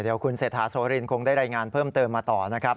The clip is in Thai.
เดี๋ยวคุณเศรษฐาโสรินคงได้รายงานเพิ่มเติมมาต่อนะครับ